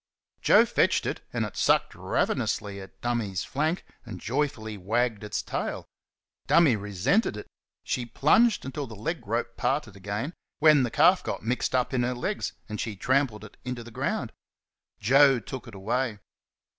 Joe fetched it, and it sucked ravenously at "Dummy's" flank, and joyfully wagged its tail. "Dummy" resented it. She plunged until the leg rope parted again, when the calf got mixed up in her legs, and she trampled it in the ground. Joe took it away.